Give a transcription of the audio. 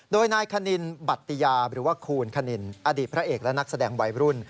โดยนายคณินบัตติยาหรือว่าคูณคณินอดีตพระเอกและนักแสดงวัยรุ่น